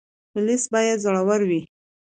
پولیس باید زړور وي